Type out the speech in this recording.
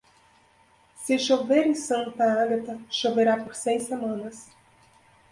Se chover em Santa Agata, choverá por seis semanas.